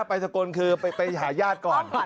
ไปสะกนคือไปหายาดก่อน